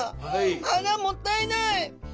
あらもったいない！